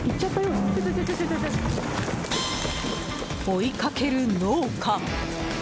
追いかける農家！